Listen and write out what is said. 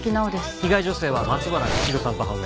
被害女性は松原みちるさんと判明。